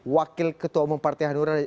wakil ketua umum partai hanura